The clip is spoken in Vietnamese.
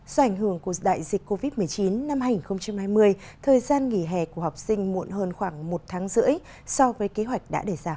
do ảnh hưởng của đại dịch covid một mươi chín năm hai nghìn hai mươi thời gian nghỉ hè của học sinh muộn hơn khoảng một tháng rưỡi so với kế hoạch đã đề ra